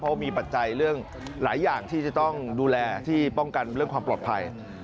เพราะมีปัจจัยเรื่องหลายอย่างที่จะต้องดูแลที่ป้องกันเรื่องความปลอดภัย